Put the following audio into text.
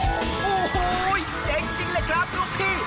โอ้โหเจ๋งจริงเลยครับลูกพี่